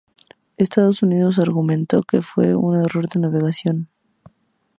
Estados Unidos argumentó que fue un error de navegación.